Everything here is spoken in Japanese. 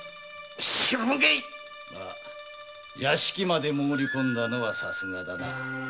知るもんか屋敷まで潜り込んだのはさすがだな。